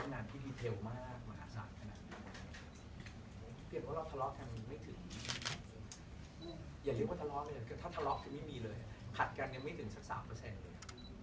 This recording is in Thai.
อย่าเรียกว่าทะเลาะเลยคือถ้าทะเลาะคือไม่มีเลยขัดกันยังไม่ถึงสักสามเปอร์เซ็นต์เลย